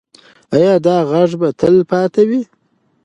ایا دا غږ به تل پاتې وي؟